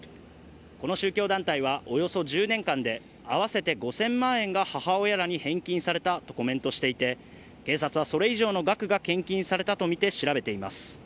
この宗教団体はおよそ１０年間で合わせて５０００万円が母親らに返金されたとコメントしていて警察は、それ以上の額が献金されたとみて調べています。